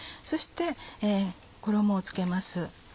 そして衣を付けます。